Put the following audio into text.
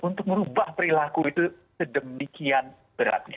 untuk merubah perilaku itu sedemikian beratnya